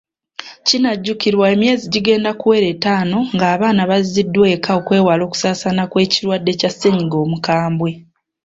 Kinajjukirwa emyezi gigenda kuwera ettaano nga abaana baziddwa eka okwewala okusaasaana kw’ekirwadde kya ssennyiga omukambwe.